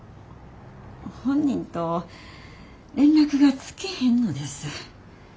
本人と連絡がつけへんのです。